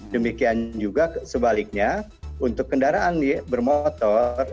demikian juga sebaliknya untuk kendaraan bermotor